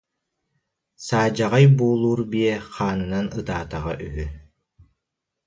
Саадьаҕай буулуур биэ хаанынан ытаатаҕа үһү